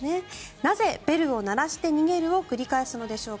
なぜベルを鳴らして逃げるを繰り返すのでしょうか。